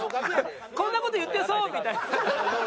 「こんな事言ってそう」みたいな。